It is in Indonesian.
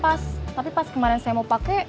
pas tapi pas kemarin saya mau pakai